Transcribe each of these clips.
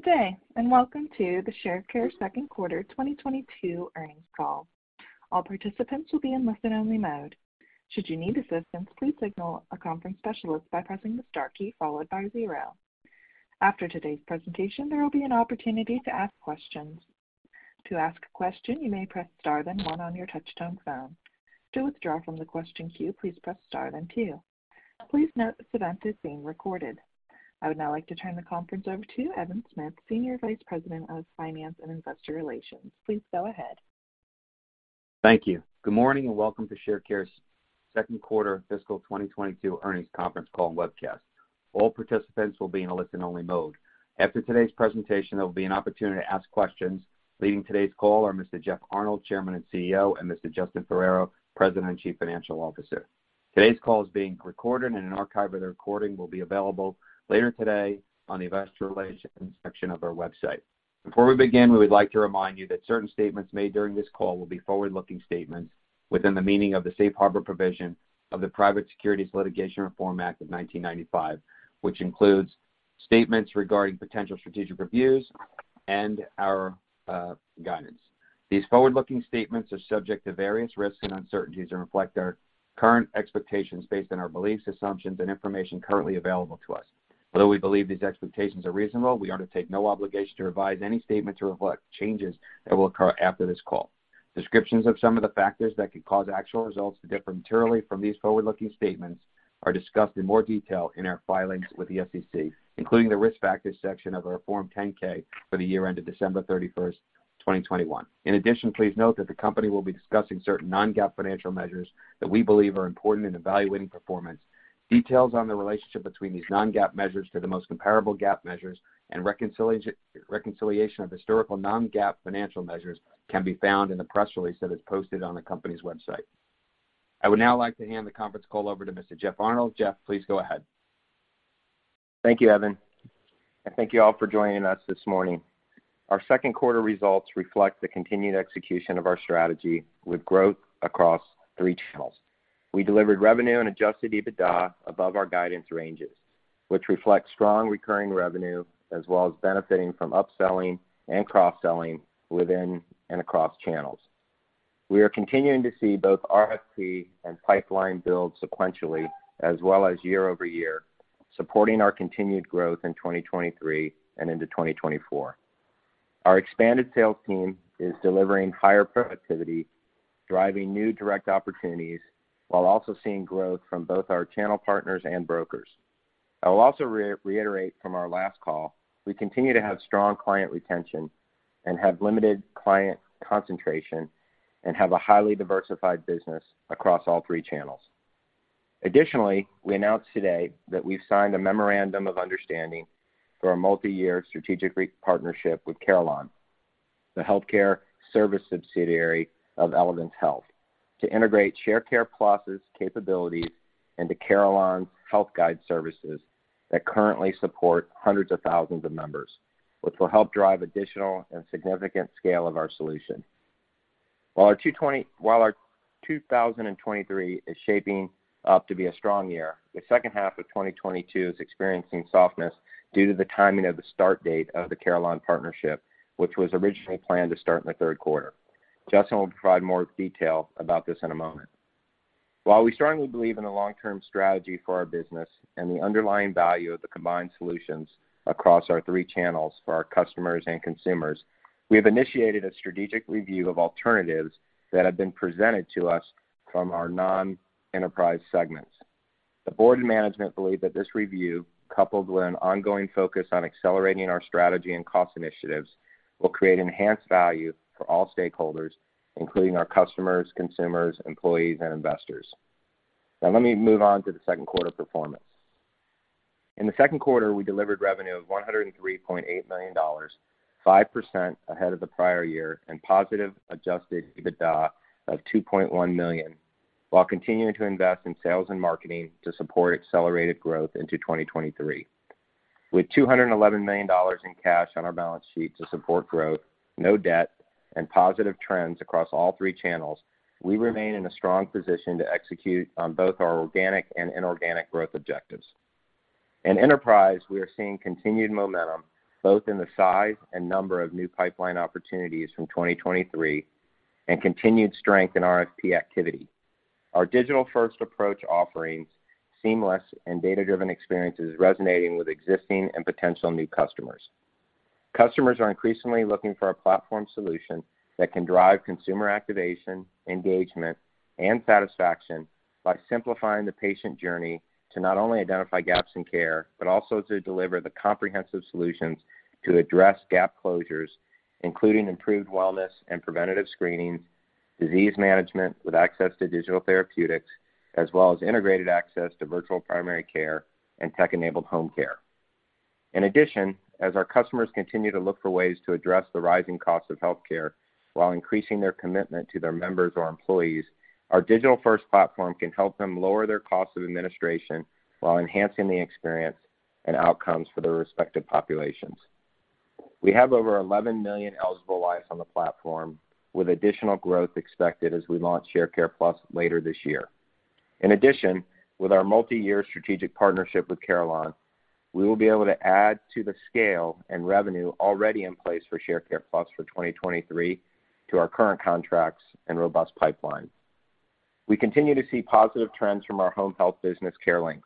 Good day, and welcome to the Sharecare Second Quarter 2022 Earnings Call. All participants will be in listen-only mode. Should you need assistance, please signal a conference specialist by pressing the star key followed by zero. After today's presentation, there will be an opportunity to ask questions. To ask a question, you may press Star then one on your touchtone phone. To withdraw from the question queue, please press star then two. Please note this event is being recorded. I would now like to turn the conference over to Evan Smith, Senior Vice President of Finance and Investor Relations. Please go ahead. Thank you. Good morning, and welcome to Sharecare's second quarter fiscal 2022 earnings conference call and webcast. All participants will be in a listen-only mode. After today's presentation, there'll be an opportunity to ask questions. Leading today's call are Mr. Jeff Arnold, Chairman and CEO, and Mr. Justin Ferrero, President and Chief Financial Officer. Today's call is being recorded, and an archive of the recording will be available later today on the Investor Relations section of our website. Before we begin, we would like to remind you that certain statements made during this call will be forward-looking statements within the meaning of the Safe Harbor provision of the Private Securities Litigation Reform Act of 1995, which includes statements regarding potential strategic reviews and our guidance. These forward-looking statements are subject to various risks and uncertainties and reflect our current expectations based on our beliefs, assumptions, and information currently available to us. Although we believe these expectations are reasonable, we undertake no obligation to revise any statements or reflect changes that will occur after this call. Descriptions of some of the factors that could cause actual results to differ materially from these forward-looking statements are discussed in more detail in our filings with the SEC, including the Risk Factors section of our Form 10-K for the year ended December 31, 2021. In addition, please note that the company will be discussing certain non-GAAP financial measures that we believe are important in evaluating performance. Details on the relationship between these non-GAAP measures to the most comparable GAAP measures and reconciliation of historical non-GAAP financial measures can be found in the press release that is posted on the company's website. I would now like to hand the conference call over to Mr. Jeff Arnold. Jeff, please go ahead. Thank you, Evan, and thank you all for joining us this morning. Our second quarter results reflect the continued execution of our strategy with growth across three channels. We delivered revenue and adjusted EBITDA above our guidance ranges, which reflect strong recurring revenue, as well as benefiting from upselling and cross-selling within and across channels. We are continuing to see both RFP and pipeline build sequentially as well as year-over-year, supporting our continued growth in 2023 and into 2024. Our expanded sales team is delivering higher productivity, driving new direct opportunities, while also seeing growth from both our channel partners and brokers. I will also reiterate from our last call, we continue to have strong client retention and have limited client concentration and have a highly diversified business across all three channels. Additionally, we announced today that we've signed a memorandum of understanding for a multi-year strategic partnership with Carelon, the healthcare service subsidiary of Elevance Health, to integrate Sharecare Plus' capabilities into Carelon's Health Guide services that currently support hundreds of thousands of members, which will help drive additional and significant scale of our solution. While our 2023 is shaping up to be a strong year, the second half of 2022 is experiencing softness due to the timing of the start date of the Carelon partnership, which was originally planned to start in the third quarter. Justin will provide more detail about this in a moment. While we strongly believe in a long-term strategy for our business and the underlying value of the combined solutions across our three channels for our customers and consumers, we have initiated a strategic review of alternatives that have been presented to us from our non-enterprise segments. The board and management believe that this review, coupled with an ongoing focus on accelerating our strategy and cost initiatives, will create enhanced value for all stakeholders, including our customers, consumers, employees, and investors. Now let me move on to the second quarter performance. In the second quarter, we delivered revenue of $103.8 million, 5% ahead of the prior year, and positive adjusted EBITDA of $2.1 million, while continuing to invest in sales and marketing to support accelerated growth into 2023. With $211 million in cash on our balance sheet to support growth, no debt, and positive trends across all three channels, we remain in a strong position to execute on both our organic and inorganic growth objectives. In enterprise, we are seeing continued momentum, both in the size and number of new pipeline opportunities from 2023 and continued strength in RFP activity. Our digital-first approach offerings seamless and data-driven experience is resonating with existing and potential new customers. Customers are increasingly looking for a platform solution that can drive consumer activation, engagement, and satisfaction by simplifying the patient journey to not only identify gaps in care, but also to deliver the comprehensive solutions to address gap closures, including improved wellness and preventative screenings, disease management with access to digital therapeutics, as well as integrated access to virtual primary care and tech-enabled home care. In addition, as our customers continue to look for ways to address the rising cost of healthcare while increasing their commitment to their members or employees, our digital-first platform can help them lower their cost of administration while enhancing the experience and outcomes for their respective populations. We have over 11 million eligible lives on the platform, with additional growth expected as we launch Sharecare Plus later this year. In addition, with our multi-year strategic partnership with Carelon, we will be able to add to the scale and revenue already in place for Sharecare Plus for 2023 to our current contracts and robust pipeline. We continue to see positive trends from our home health business, CareLinx,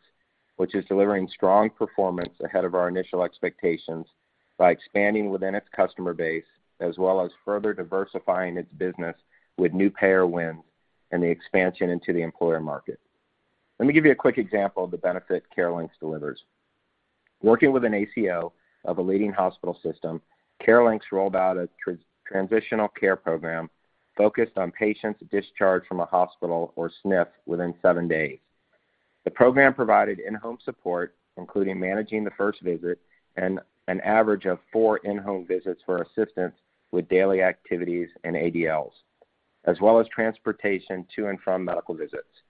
which is delivering strong performance ahead of our initial expectations by expanding within its customer base, as well as further diversifying its business with new payer wins and the expansion into the employer market. Let me give you a quick example of the benefit CareLinx delivers. Working with an ACO of a leading hospital system, CareLinx rolled out a transitional care program focused on patients discharged from a hospital or SNF within seven days. The program provided in-home support, including managing the first visit and an average of four in-home visits for assistance with daily activities and ADLs, as well as transportation to and from medical visits.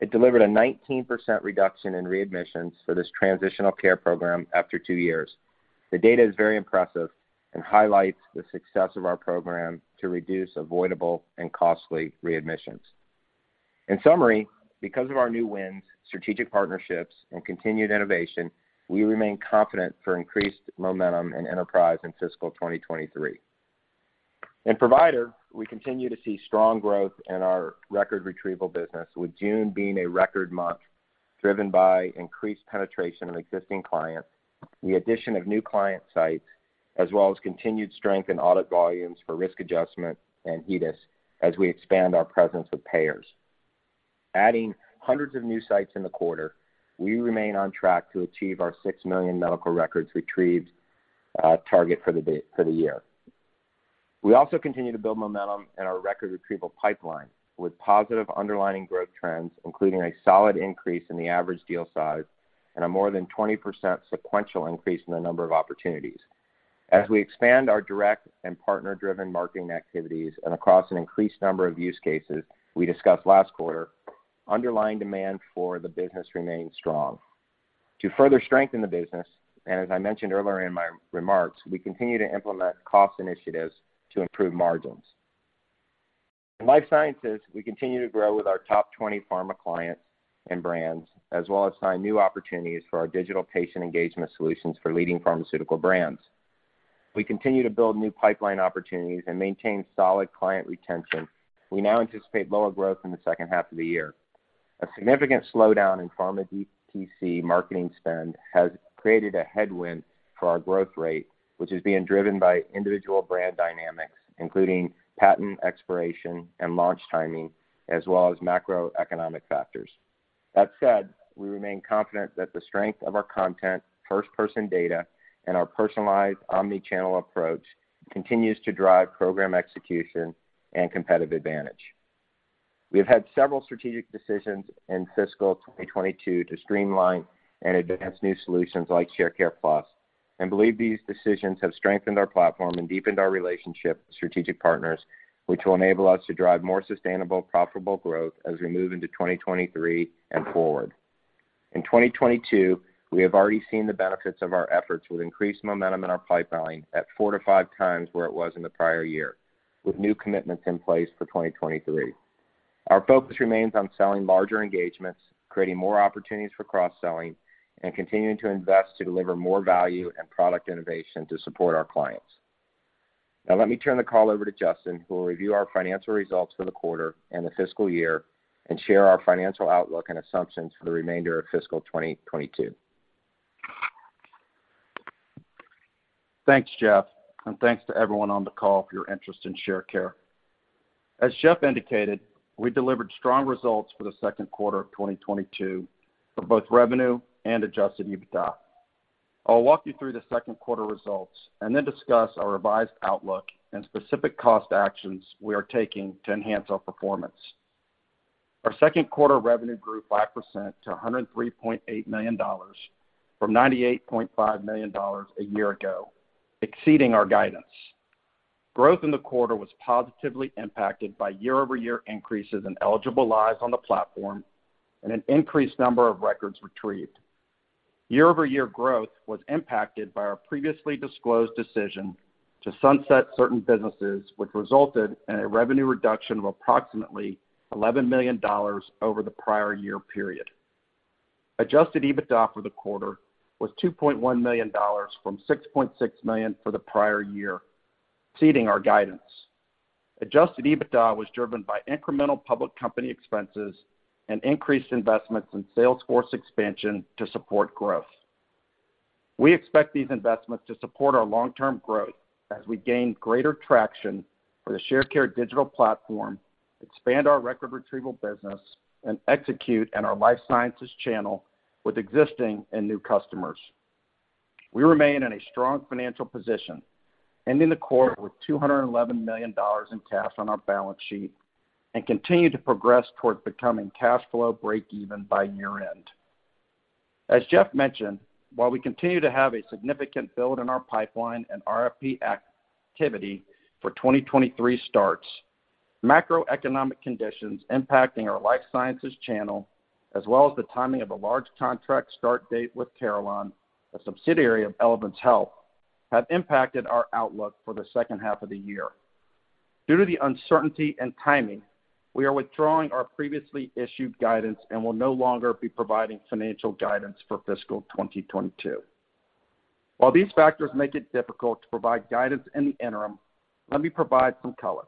It delivered a 19% reduction in readmissions for this transitional care program after two years. The data is very impressive and highlights the success of our program to reduce avoidable and costly readmissions. In summary, because of our new wins, strategic partnerships, and continued innovation, we remain confident for increased momentum and enterprise in fiscal 2023. In provider, we continue to see strong growth in our record retrieval business, with June being a record month, driven by increased penetration of existing clients, the addition of new client sites, as well as continued strength in audit volumes for risk adjustment and HEDIS as we expand our presence with payers. Adding hundreds of new sites in the quarter, we remain on track to achieve our 6 million medical records retrieved target for the year. We also continue to build momentum in our record retrieval pipeline with positive underlying growth trends, including a solid increase in the average deal size and a more than 20% sequential increase in the number of opportunities. As we expand our direct and partner-driven marketing activities and across an increased number of use cases we discussed last quarter, underlying demand for the business remains strong. To further strengthen the business, and as I mentioned earlier in my remarks, we continue to implement cost initiatives to improve margins. In life sciences, we continue to grow with our top 20 pharma clients and brands, as well as sign new opportunities for our digital patient engagement solutions for leading pharmaceutical brands. We continue to build new pipeline opportunities and maintain solid client retention. We now anticipate lower growth in the second half of the year. A significant slowdown in pharma DTC marketing spend has created a headwind for our growth rate, which is being driven by individual brand dynamics, including patent expiration and launch timing, as well as macroeconomic factors. That said, we remain confident that the strength of our content, first-person data, and our personalized omni-channel approach continues to drive program execution and competitive advantage. We have had several strategic decisions in fiscal 2022 to streamline and advance new solutions like Sharecare Plus, and believe these decisions have strengthened our platform and deepened our relationship with strategic partners, which will enable us to drive more sustainable, profitable growth as we move into 2023 and forward. In 2022, we have already seen the benefits of our efforts with increased momentum in our pipeline at 4-5 times where it was in the prior year, with new commitments in place for 2023. Our focus remains on selling larger engagements, creating more opportunities for cross-selling, and continuing to invest to deliver more value and product innovation to support our clients. Now let me turn the call over to Justin, who will review our financial results for the quarter and the fiscal year and share our financial outlook and assumptions for the remainder of fiscal 2022. Thanks, Jeff, and thanks to everyone on the call for your interest in Sharecare. As Jeff indicated, we delivered strong results for the second quarter of 2022 for both revenue and adjusted EBITDA. I'll walk you through the second quarter results and then discuss our revised outlook and specific cost actions we are taking to enhance our performance. Our second quarter revenue grew 5% to $103.8 million from $98.5 million a year ago, exceeding our guidance. Growth in the quarter was positively impacted by year-over-year increases in eligible lives on the platform and an increased number of records retrieved. Year-over-year growth was impacted by our previously disclosed decision to sunset certain businesses, which resulted in a revenue reduction of approximately $11 million over the prior year period. Adjusted EBITDA for the quarter was $2.1 million from $6.6 million for the prior year, exceeding our guidance. Adjusted EBITDA was driven by incremental public company expenses and increased investments in sales force expansion to support growth. We expect these investments to support our long-term growth as we gain greater traction for the Sharecare digital platform, expand our record retrieval business, and execute in our life sciences channel with existing and new customers. We remain in a strong financial position, ending the quarter with $211 million in cash on our balance sheet and continue to progress toward becoming cash flow break even by year-end. As Jeff mentioned, while we continue to have a significant build in our pipeline and RFP activity for 2023 starts, macroeconomic conditions impacting our life sciences channel, as well as the timing of a large contract start date with Carelon, a subsidiary of Elevance Health, have impacted our outlook for the second half of the year. Due to the uncertainty and timing, we are withdrawing our previously issued guidance and will no longer be providing financial guidance for fiscal 2022. While these factors make it difficult to provide guidance in the interim, let me provide some color.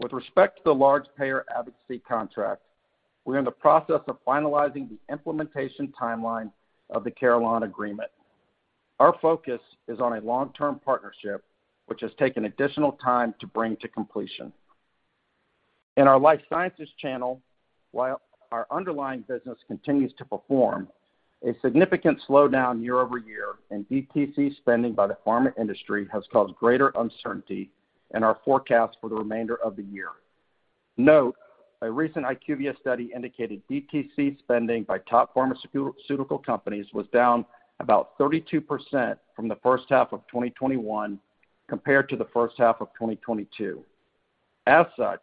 With respect to the large payer advocacy contract, we're in the process of finalizing the implementation timeline of the Carelon agreement. Our focus is on a long-term partnership, which has taken additional time to bring to completion. In our life sciences channel, while our underlying business continues to perform, a significant slowdown year over year in DTC spending by the pharma industry has caused greater uncertainty in our forecast for the remainder of the year. Note, a recent IQVIA study indicated DTC spending by top pharmaceutical companies was down about 32% from the first half of 2021 compared to the first half of 2022. As such,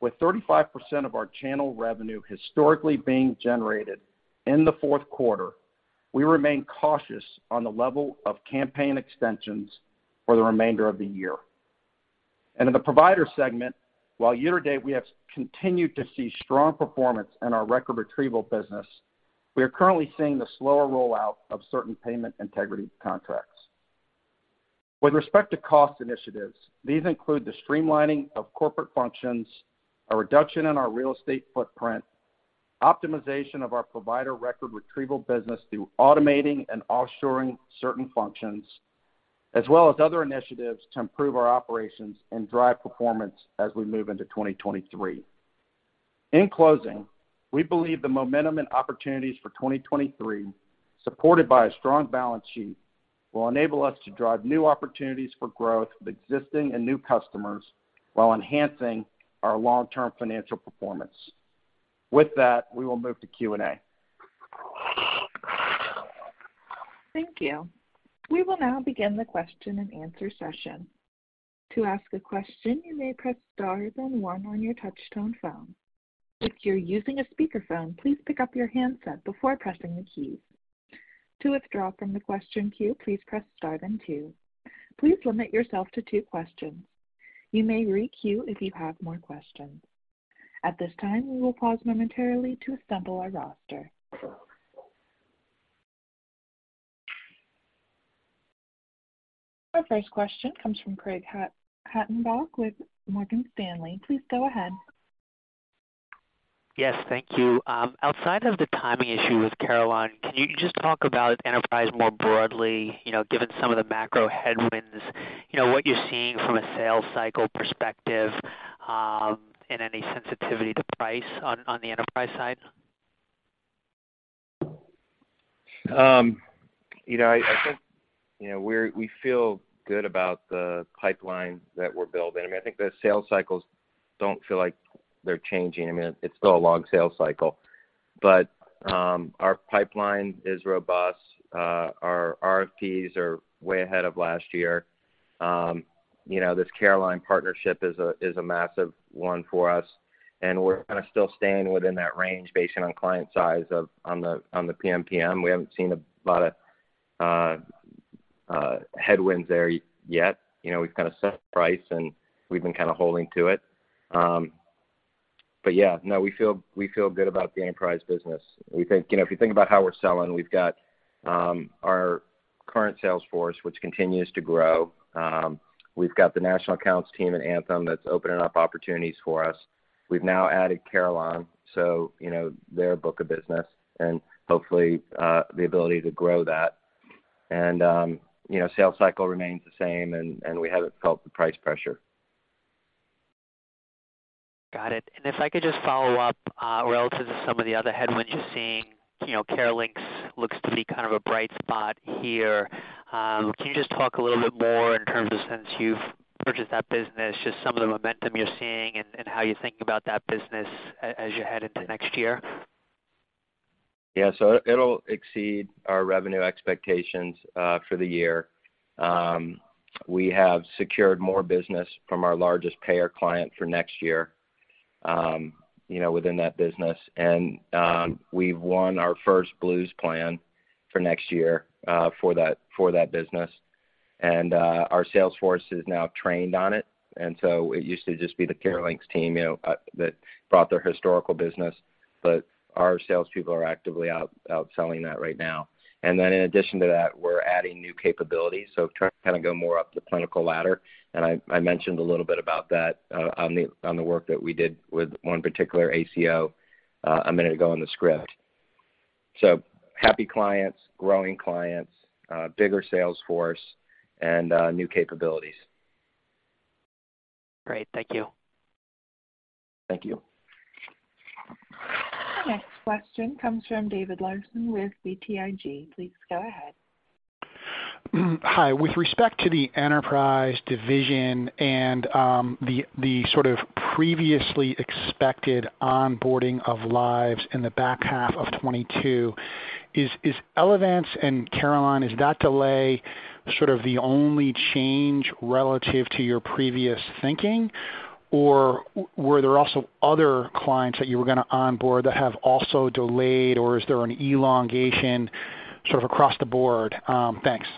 with 35% of our channel revenue historically being generated in the fourth quarter, we remain cautious on the level of campaign extensions for the remainder of the year. In the provider segment, while year to date we have continued to see strong performance in our record retrieval business, we are currently seeing the slower rollout of certain payment integrity contracts. With respect to cost initiatives, these include the streamlining of corporate functions, a reduction in our real estate footprint, optimization of our provider record retrieval business through automating and offshoring certain functions, as well as other initiatives to improve our operations and drive performance as we move into 2023. In closing, we believe the momentum and opportunities for 2023, supported by a strong balance sheet, will enable us to drive new opportunities for growth with existing and new customers while enhancing our long-term financial performance. With that, we will move to Q&A. Thank you. We will now begin the Q&A session. To ask a question, you may press star then one on your touch tone phone. If you're using a speakerphone, please pick up your handset before pressing the keys. To withdraw from the question queue, please press star then two. Please limit yourself to two questions. You may re-queue if you have more questions. At this time, we will pause momentarily to assemble our roster. Our first question comes from Craig Hettenbach with Morgan Stanley. Please go ahead. Yes, thank you. Outside of the timing issue with Carelon, can you just talk about enterprise more broadly, you know, given some of the macro headwinds, you know, what you're seeing from a sales cycle perspective, and any sensitivity to price on the enterprise side? You know, I think, you know, we feel good about the pipeline that we're building. I mean, I think the sales cycles don't feel like they're changing. I mean, it's still a long sales cycle. Our pipeline is robust. Our RFPs are way ahead of last year. You know, this Carelon partnership is a massive one for us, and we're kind of still staying within that range based on client size on the PMPM. We haven't seen a lot of headwinds there yet. You know, we've kind of set the price, and we've been kind of holding to it. But yeah, no, we feel good about the enterprise business. We think, you know, if you think about how we're selling, we've got our current sales force, which continues to grow. We've got the national accounts team at Anthem that's opening up opportunities for us. We've now added Carelon, so, you know, their book of business and hopefully, the ability to grow that. You know, sales cycle remains the same, and we haven't felt the price pressure. Got it. If I could just follow up, relative to some of the other headwinds you're seeing, you know, CareLinx looks to be kind of a bright spot here. Can you just talk a little bit more in terms of since you've purchased that business, just some of the momentum you're seeing and how you think about that business as you head into next year? Yeah. It'll exceed our revenue expectations for the year. We have secured more business from our largest payer client for next year, you know, within that business. We've won our first Blues plan for next year for that business. Our sales force is now trained on it. It used to just be the CareLinx team, you know, that brought their historical business. But our salespeople are actively out selling that right now. In addition to that, we're adding new capabilities, so trying to kind of go more up the clinical ladder. I mentioned a little bit about that on the work that we did with one particular ACO a minute ago on the script. Happy clients, growing clients, bigger sales force and new capabilities. Great. Thank you. Thank you. The next question comes from David Larsen with BTIG. Please go ahead. Hi. With respect to the enterprise division and the sort of previously expected onboarding of lives in the back half of 2022, is Elevance and Carelon, is that delay sort of the only change relative to your previous thinking? Were there also other clients that you were gonna onboard that have also delayed or is there an elongation sort of across the board? Thanks.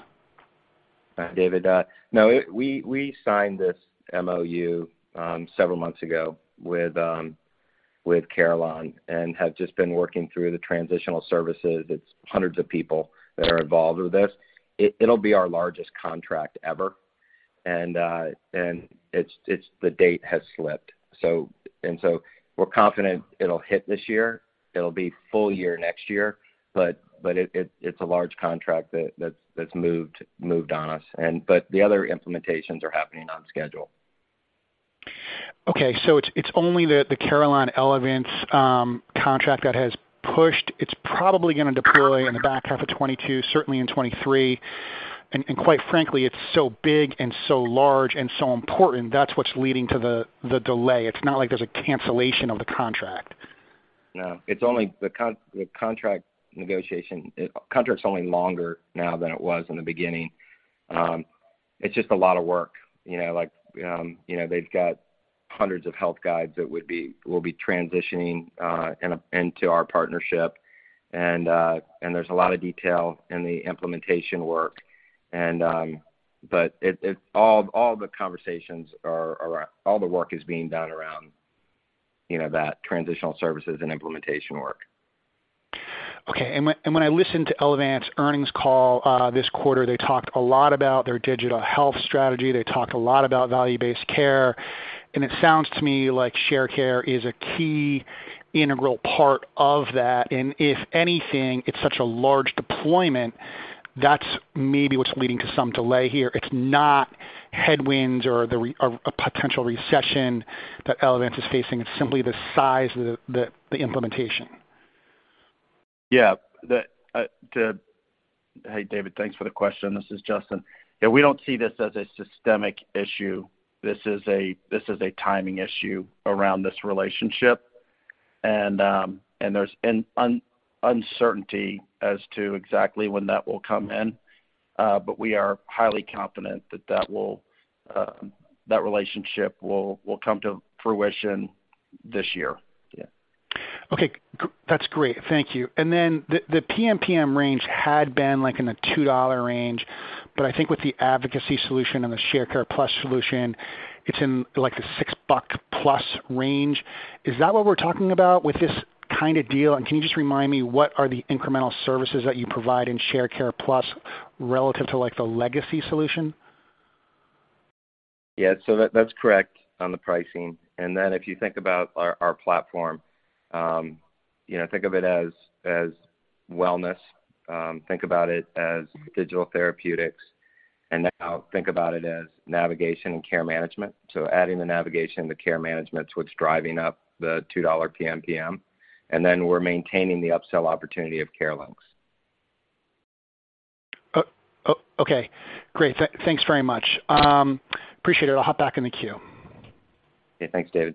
David, no, we signed this MOU several months ago with Carelon and have just been working through the transitional services. It's hundreds of people that are involved with this. It'll be our largest contract ever, and it's the date has slipped. We're confident it'll hit this year. It'll be full year next year, but it's a large contract that's moved on us. The other implementations are happening on schedule. It's only the Carelon-Elevance contract that has pushed. It's probably gonna deploy in the back half of 2022, certainly in 2023. Quite frankly, it's so big and so large and so important, that's what's leading to the delay. It's not like there's a cancellation of the contract. No. It's only the contract negotiation. Contract's only longer now than it was in the beginning. It's just a lot of work, you know? Like, you know, they've got hundreds of Health Guides we'll be transitioning into our partnership and there's a lot of detail in the implementation work. But all the conversations are, all the work is being done around, you know, that transitional services and implementation work. Okay. When I listened to Elevance earnings call this quarter, they talked a lot about their digital health strategy. They talked a lot about value-based care, and it sounds to me like Sharecare is a key integral part of that. If anything, it's such a large deployment, that's maybe what's leading to some delay here. It's not headwinds or a potential recession that Elevance is facing. It's simply the size of the implementation. Hey, David, thanks for the question. This is Justin. Yeah. We don't see this as a systemic issue. This is a timing issue around this relationship. There's uncertainty as to exactly when that will come in. We are highly confident that that relationship will come to fruition this year. Yeah. Okay. That's great. Thank you. The PMPM range had been like in the $2 range, but I think with the advocacy solution and the Sharecare Plus solution, it's in like the $6+ range. Is that what we're talking about with this kind of deal? Can you just remind me what are the incremental services that you provide in Sharecare Plus relative to like the legacy solution? Yeah. That's correct on the pricing. If you think about our platform, you know, think of it as wellness, think about it as digital therapeutics, and now think about it as navigation and care management. Adding the navigation, the care management's what's driving up the $2 PMPM, and then we're maintaining the upsell opportunity of CareLinx. Okay, great. Thanks very much. Appreciate it. I'll hop back in the queue. Yeah. Thanks, David.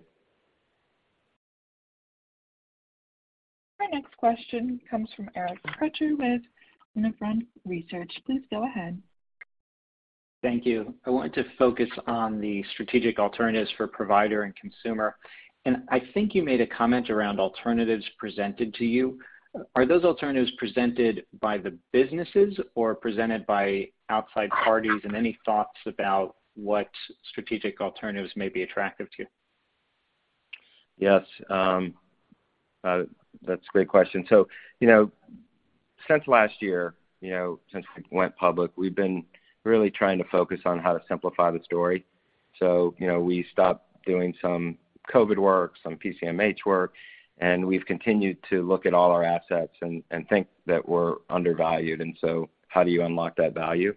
Our next question comes from Eric Percher with Nephron Research. Please go ahead. Thank you. I wanted to focus on the strategic alternatives for provider and consumer. I think you made a comment around alternatives presented to you. Are those alternatives presented by the businesses or presented by outside parties? Any thoughts about what strategic alternatives may be attractive to you? Yes. That's a great question. You know, since last year, you know, since we went public, we've been really trying to focus on how to simplify the story. You know, we stopped doing some COVID work, some PCMH work, and we've continued to look at all our assets and think that we're undervalued, and so how do you unlock that value?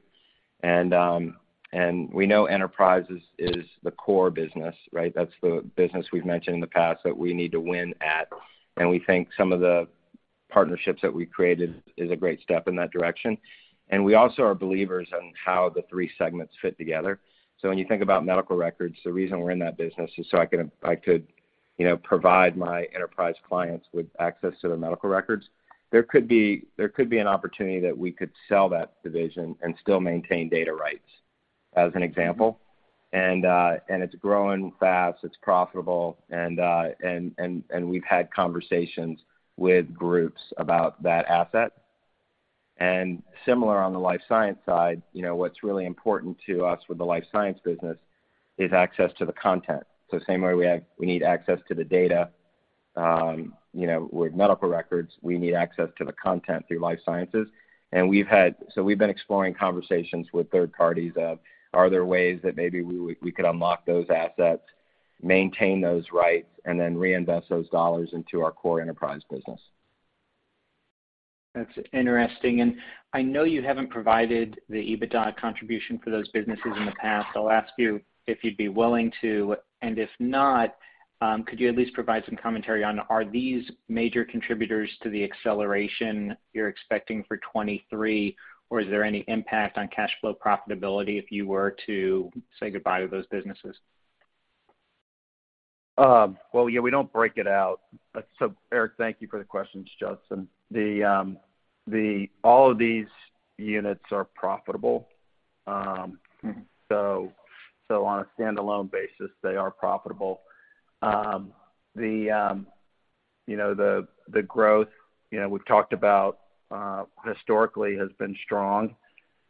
We know enterprise is the core business, right? That's the business we've mentioned in the past that we need to win at. We think some of the partnerships that we created is a great step in that direction. We also are believers in how the three segments fit together. When you think about medical records, the reason we're in that business is so I could, you know, provide my enterprise clients with access to their medical records. There could be an opportunity that we could sell that division and still maintain data rights, as an example. It's growing fast, it's profitable, and we've had conversations with groups about that asset. Similar on the life science side, you know, what's really important to us with the life science business is access to the content. Same way we need access to the data, you know, with medical records, we need access to the content through life sciences. We've been exploring conversations with third parties of, are there ways that we could unlock those assets, maintain those rights, and then reinvest those dollars into our core enterprise business. That's interesting. I know you haven't provided the EBITDA contribution for those businesses in the past. I'll ask you if you'd be willing to, and if not, could you at least provide some commentary on are these major contributors to the acceleration you're expecting for 2023, or is there any impact on cash flow profitability if you were to say goodbye to those businesses? Well, yeah, we don't break it out. Eric, thank you for the questions, this is Justin. All of these units are profitable. On a standalone basis, they are profitable. You know, the growth, you know, we've talked about historically has been strong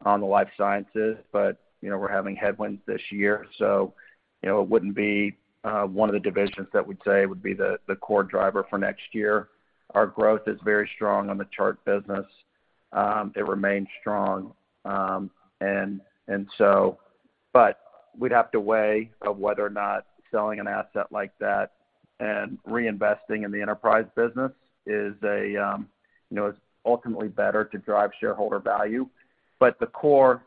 on the life sciences, but, you know, we're having headwinds this year. It wouldn't be one of the divisions that we'd say would be the core driver for next year. Our growth is very strong on the Share business. It remains strong, and. We'd have to weigh whether or not selling an asset like that and reinvesting in the enterprise business is ultimately better to drive shareholder value. The core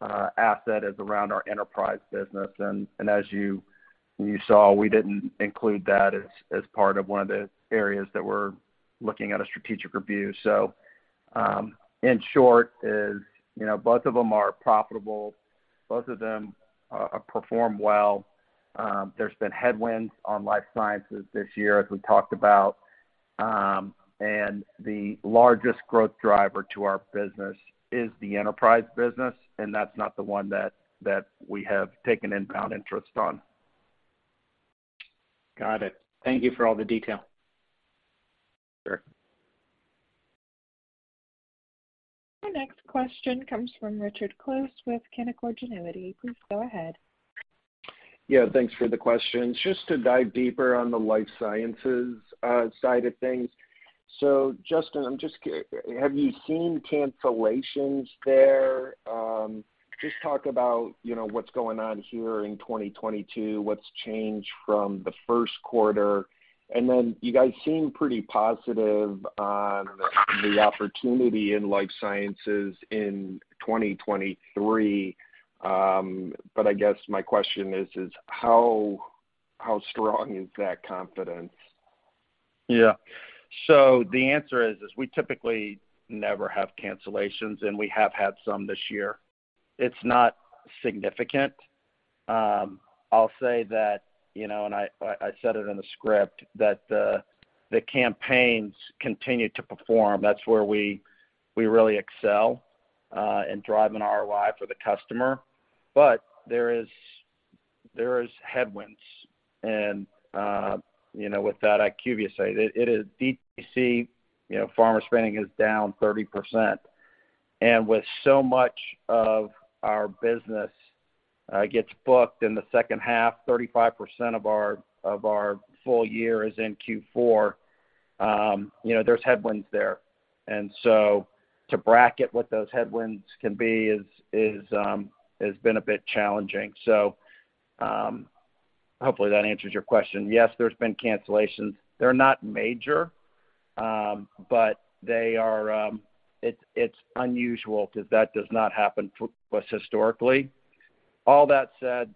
asset is around our enterprise business. As you saw, we didn't include that as part of one of the areas that we're looking at a strategic review. In short, you know, both of them are profitable, both of them perform well. There's been headwinds on life sciences this year, as we talked about. The largest growth driver to our business is the enterprise business, and that's not the one that we have taken inbound interest on. Got it. Thank you for all the detail. Sure. Our next question comes from Richard Close with Canaccord Genuity. Please go ahead. Yeah, thanks for the questions. Just to dive deeper on the life sciences side of things. Justin, have you seen cancellations there? Just talk about, you know, what's going on here in 2022, what's changed from the first quarter. You guys seem pretty positive on the opportunity in life sciences in 2023. I guess my question is how strong is that confidence? Yeah. The answer is we typically never have cancellations, and we have had some this year. It's not significant. I'll say that, you know, and I said it in the script, that the campaigns continue to perform. That's where we really excel in driving ROI for the customer. There is headwinds. You know, with that IQVIA study, it is DTC, you know, pharma spending is down 30%. With so much of our business gets booked in the second half, 35% of our full year is in Q4, you know, there's headwinds there. To bracket what those headwinds can be has been a bit challenging. Hopefully that answers your question. Yes, there's been cancellations. They're not major, but they are. It's unusual because that does not happen for us historically. All that said,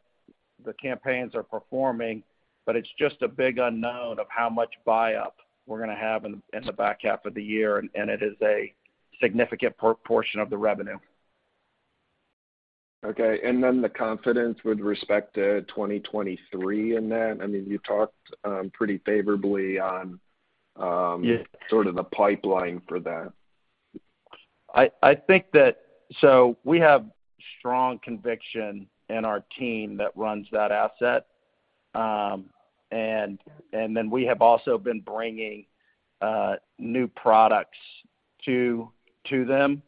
the campaigns are performing, but it's just a big unknown of how much buy-up we're gonna have in the back half of the year, and it is a significant proportion of the revenue. Okay. The confidence with respect to 2023 in that. I mean, you talked pretty favorably on sort of the pipeline for that. We have strong conviction in our team that runs that asset. We have also been bringing new products to them.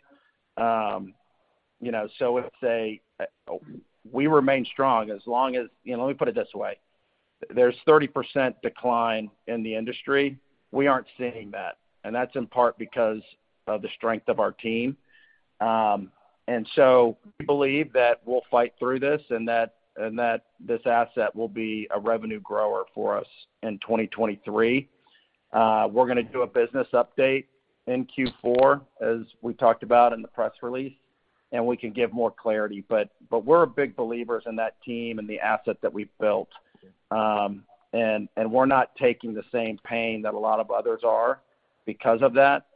You know, we remain strong as long as you know, let me put it this way. There's 30% decline in the industry, we aren't seeing that, and that's in part because of the strength of our team. We believe that we'll fight through this and that this asset will be a revenue grower for us in 2023. We're gonna do a business update in Q4, as we talked about in the press release, and we can give more clarity. We're big believers in that team and the asset that we've built. We're not taking the same pain that a lot of others are because of that.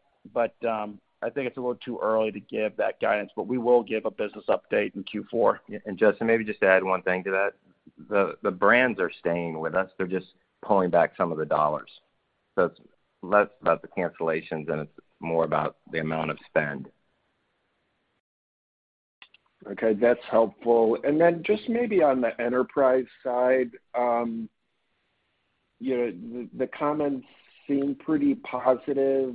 I think it's a little too early to give that guidance, but we will give a business update in Q4. Justin, maybe just to add one thing to that. The brands are staying with us, they're just pulling back some of the dollars. It's less about the cancellations, and it's more about the amount of spend. Okay, that's helpful. Then just maybe on the enterprise side, you know, the comments seem pretty positive.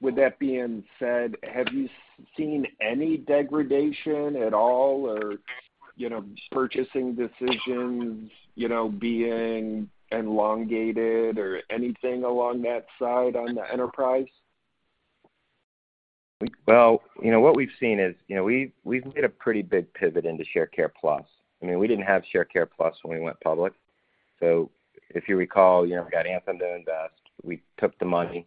With that being said, have you seen any degradation at all or, you know, purchasing decisions, you know, being elongated or anything along that side on the enterprise? You know, what we've seen is, you know, we've made a pretty big pivot into Sharecare Plus. I mean, we didn't have Sharecare Plus when we went public. If you recall, you know, we got Anthem to invest. We took the money,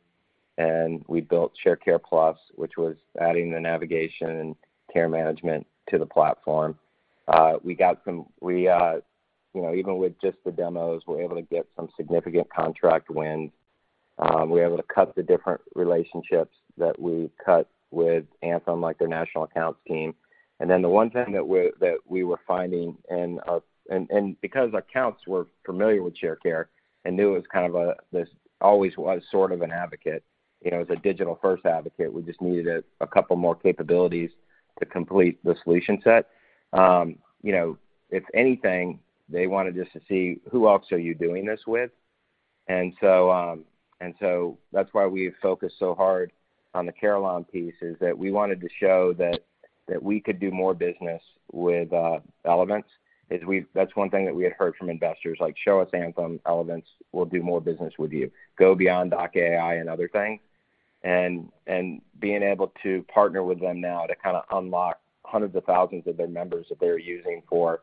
and we built Sharecare Plus, which was adding the navigation and care management to the platform. You know, even with just the demos, we're able to get some significant contract wins. We were able to cut the different relationships with Anthem, like their national account team. The one thing that we were finding and because accounts were familiar with Sharecare and knew it was this always was sort of an advocate, you know, as a digital-first advocate, we just needed a couple more capabilities to complete the solution set. You know, if anything, they wanted just to see who else are you doing this with. That's why we have focused so hard on the Carelon piece, is that we wanted to show that we could do more business with Elevance. That's one thing that we had heard from investors, like, "Show us Anthem Elevance, we'll do more business with you. Go beyond doc.ai and other things." Being able to partner with them now to kind of unlock hundreds of thousands of their members that they're using for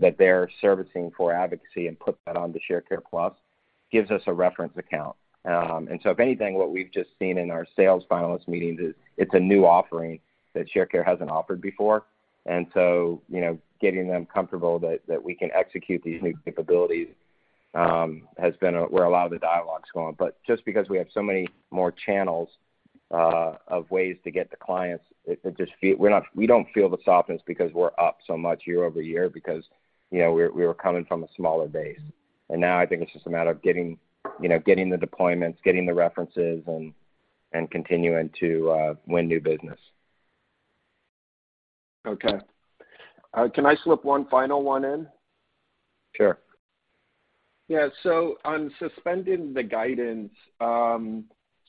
that they're servicing for advocacy and put that onto Sharecare Plus gives us a reference account. If anything, what we've just seen in our sales finalist meetings is it's a new offering that Sharecare hasn't offered before. You know, getting them comfortable that we can execute these new capabilities has been where a lot of the dialogue's going. Just because we have so many more channels of ways to get to clients, we don't feel the softness because we're up so much year-over-year because, you know, we were coming from a smaller base. Now I think it's just a matter of getting the deployments, getting the references, and continuing to win new business. Okay. Can I slip one final one in? Sure. Yeah. On suspending the guidance,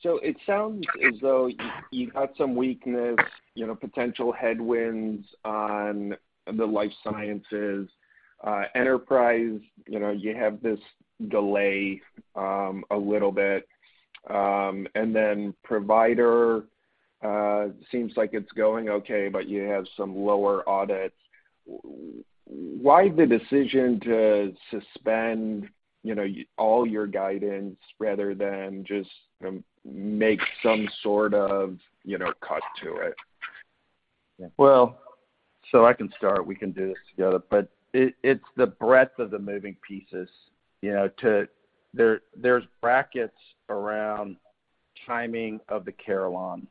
it sounds as though you've had some weakness, you know, potential headwinds on the life sciences. Enterprise, you know, you have this delay, a little bit. Then provider seems like it's going okay, but you have some lower audits. Why the decision to suspend, you know, all your guidance rather than just make some sort of, you know, cut to it? I can start, we can do this together. It's the breadth of the moving pieces, you know. There's brackets around timing of the Carelon.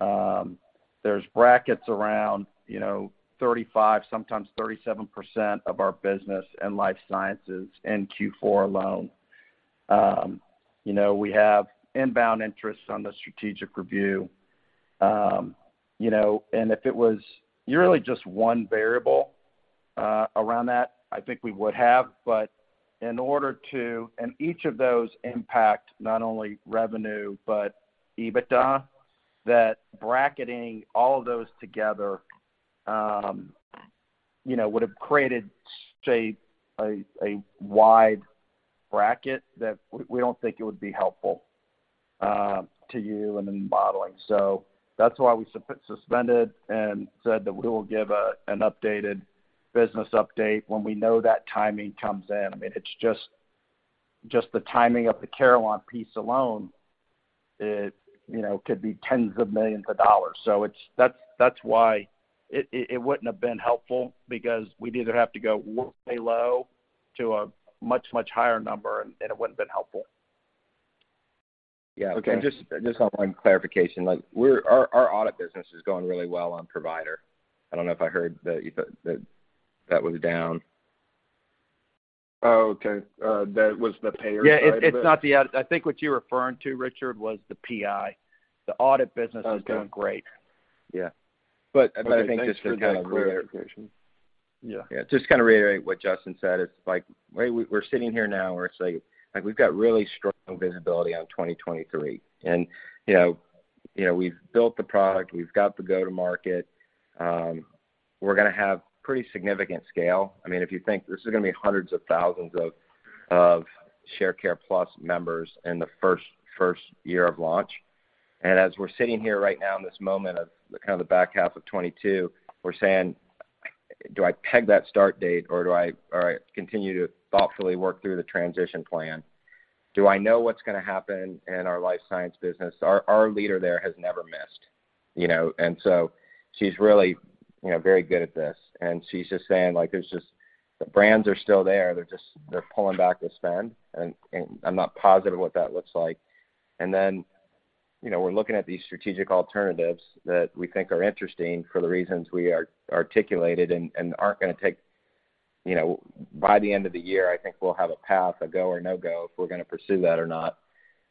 There's brackets around, you know, 35%, sometimes 37% of our business in life sciences in Q4 alone. You know, we have inbound interests on the strategic review. You know, if it was really just one variable around that, I think we would have. Each of those impact not only revenue, but EBITDA, that bracketing all of those together, you know, would've created, say, a wide bracket that we don't think it would be helpful to you in the modeling. That's why we suspended and said that we will give an updated business update when we know that timing comes in. I mean, it's just the timing of the Carelon piece alone. It, you know, could be $10s of millions. That's why it wouldn't have been helpful because we'd either have to go way low to a much higher number, and it wouldn't have been helpful. Yeah. Okay. Just one clarification. Like, our audit business is going really well on provider. I don't know if I heard that you thought that was down. Oh, okay. That was the payer side of it? Yeah. I think what you're referring to, Richard, was the PI. The audit business is doing great. Yeah. I think just to kind of reiterate. Yeah. Just kind of reiterate what Justin said. It's like why we're sitting here now, and we're saying like, we've got really strong visibility on 2023. You know, we've built the product, we've got the go-to-market. We're gonna have pretty significant scale. I mean, if you think this is gonna be hundreds of thousands of Sharecare Plus members in the first year of launch. As we're sitting here right now in this moment of the kind of the back half of 2022, we're saying, do I peg that start date or do I, or I continue to thoughtfully work through the transition plan? Do I know what's gonna happen in our life science business? Our leader there has never missed, you know? She's really, you know, very good at this. She's just saying like, there's just. The brands are still there, they're just pulling back the spend, and I'm not positive what that looks like. Then, you know, we're looking at these strategic alternatives that we think are interesting for the reasons we articulated and aren't gonna take. You know, by the end of the year, I think we'll have a path, a go or no go, if we're gonna pursue that or not.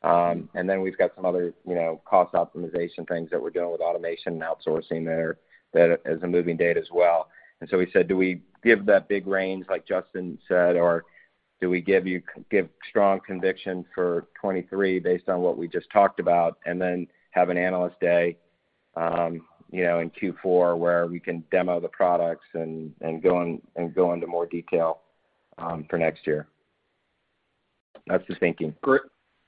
Then we've got some other, you know, cost optimization things that we're doing with automation and outsourcing there that has a moving date as well. We said, do we give that big range, like Justin said, or do we give strong conviction for 2023 based on what we just talked about, and then have an analyst day, you know, in Q4 where we can demo the products and go in and go into more detail for next year. That's the thinking. Great.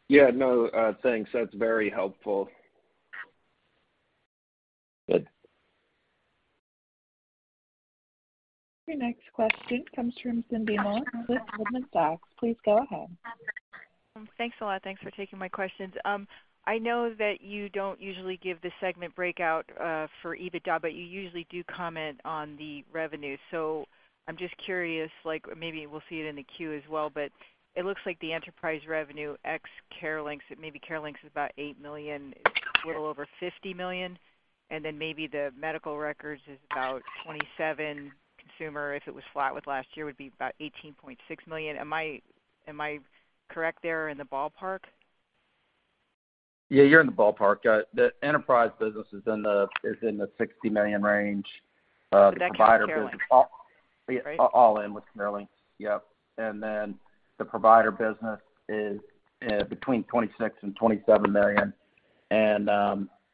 Yeah. No, thanks. That's very helpful. Good. Your next question comes from Cindy Motz with Goldman Sachs. Please go ahead. Thanks a lot. Thanks for taking my questions. I know that you don't usually give the segment breakout for EBITDA, but you usually do comment on the revenue. I'm just curious, like, maybe we'll see it in the Q as well, but it looks like the enterprise revenue ex CareLinx, so maybe CareLinx is about $8 million, a little over $50 million. Then maybe the medical records is about $27 million consumer. If it was flat with last year, it would be about $18.6 million. Am I correct there in the ballpark? Yeah, you're in the ballpark. The enterprise business is in the $60 million range. The provider business- That for CareLinx? All in with CareLinx. Yep. The provider business is between $26 million and $27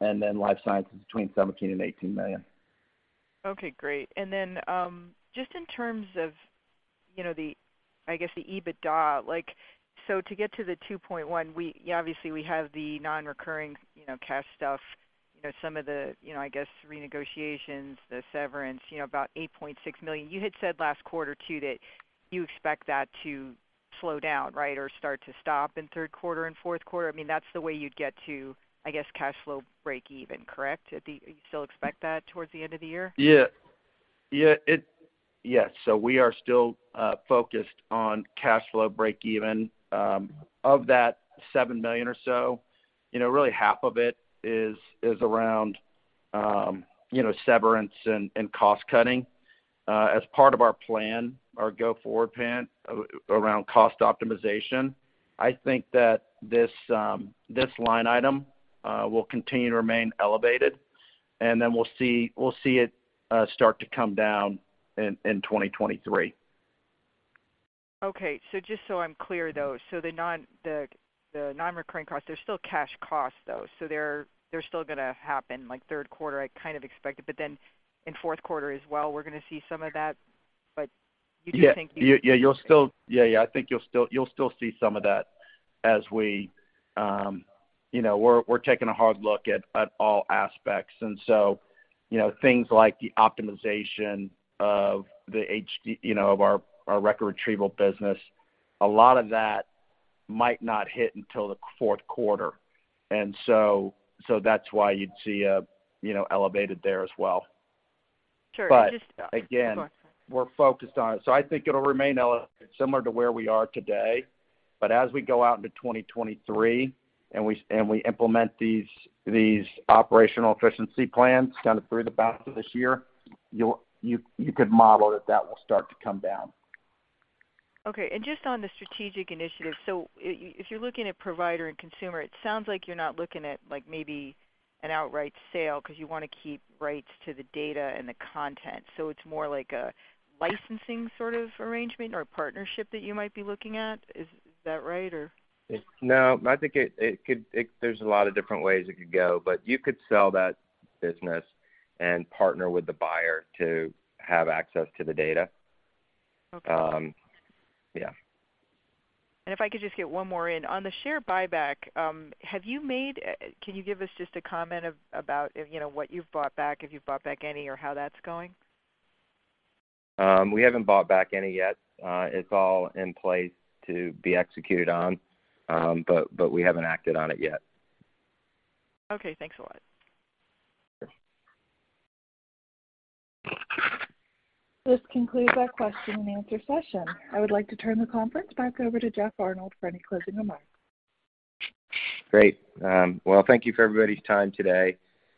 million. Life science is between $17 million and $18 million. Okay, great. Just in terms of, you know, the, I guess, the EBITDA, like, so to get to the 2.1, we obviously have the non-recurring, you know, cash stuff, you know, some of the, you know, I guess renegotiations, the severance, you know, about $8.6 million. You had said last quarter too that you expect that to slow down, right? Or start to stop in third quarter and fourth quarter. I mean, that's the way you'd get to, I guess, cash flow breakeven, correct? Do you still expect that towards the end of the year? Yes. We are still focused on cash flow breakeven. Of that $7 million or so, you know, really half of it is around, you know, severance and cost-cutting. As part of our plan, our go-forward plan around cost optimization, I think that this line item will continue to remain elevated, and then we'll see it start to come down in 2023. Okay. Just so I'm clear though. The non-recurring costs, they're still cash costs though, so they're still gonna happen like third quarter, I kind of expected, but then in fourth quarter as well, we're gonna see some of that. But you do think you- I think you'll still see some of that as we, you know, we're taking a hard look at all aspects. You know, things like the optimization of the HD, you know, of our record retrieval business, a lot of that might not hit until the fourth quarter. That's why you'd see, you know, elevated there as well. Sure. But again- Go ahead, sorry. We're focused on it. I think it'll remain similar to where we are today. As we go out into 2023, and we implement these operational efficiency plans kind of through the balance of this year, you could model that will start to come down. Okay. Just on the strategic initiatives. If you're looking at provider and consumer, it sounds like you're not looking at, like maybe an outright sale because you wanna keep rights to the data and the content, so it's more like a licensing sort of arrangement or a partnership that you might be looking at. Is that right or? No, I think it could. There's a lot of different ways it could go, but you could sell that business and partner with the buyer to have access to the data. Okay. Yeah. If I could just get one more in. On the share buyback, can you give us just a comment about, you know, what you've bought back, if you've bought back any or how that's going? We haven't bought back any yet. It's all in place to be executed on, but we haven't acted on it yet. Okay, thanks a lot. Sure. This concludes our Q&A session. I would like to turn the conference back over to Jeff Arnold for any closing remarks. Great. Well, thank you for everybody's time today.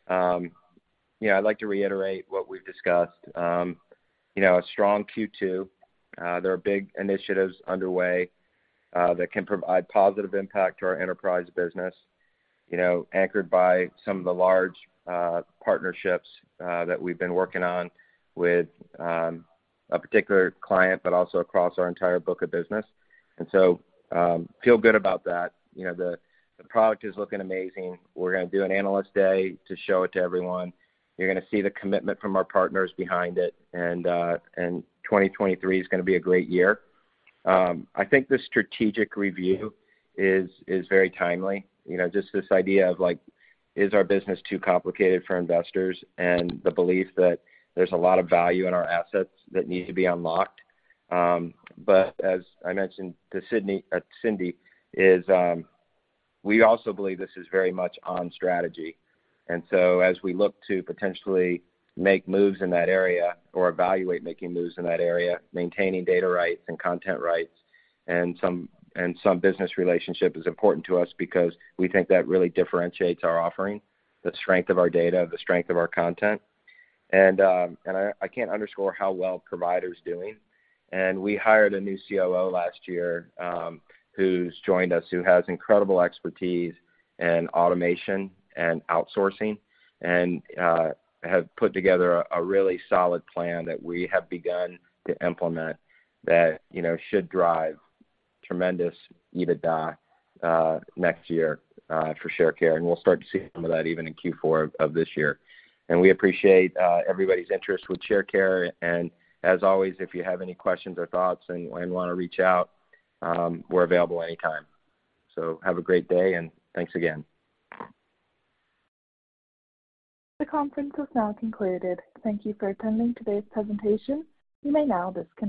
You know, I'd like to reiterate what we've discussed. You know, a strong Q2. There are big initiatives underway that can provide positive impact to our enterprise business, you know, anchored by some of the large partnerships that we've been working on with a particular client, but also across our entire book of business. Feel good about that. You know, the product is looking amazing. We're gonna do an analyst day to show it to everyone. You're gonna see the commitment from our partners behind it and 2023 is gonna be a great year. I think the strategic review is very timely. You know, just this idea of like, is our business too complicated for investors and the belief that there's a lot of value in our assets that need to be unlocked. As I mentioned to Cindy, we also believe this is very much on strategy. As we look to potentially make moves in that area or evaluate making moves in that area, maintaining data rights and content rights and some business relationship is important to us because we think that really differentiates our offering, the strength of our data, the strength of our content. I can't underscore how well provider is doing. We hired a new COO last year, who's joined us, who has incredible expertise in automation and outsourcing, and have put together a really solid plan that we have begun to implement that, you know, should drive tremendous EBITDA next year for Sharecare, and we'll start to see some of that even in Q4 of this year. We appreciate everybody's interest with Sharecare. As always, if you have any questions or thoughts and wanna reach out, we're available anytime. Have a great day, and thanks again. The conference has now concluded. Thank you for attending today's presentation. You may now disconnect.